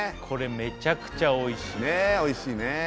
これめちゃくちゃおいしいねおいしいね